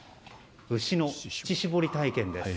牛の乳搾り体験です。